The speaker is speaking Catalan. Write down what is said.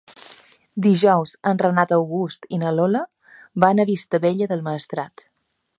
Dijous en Renat August i na Lola van a Vistabella del Maestrat.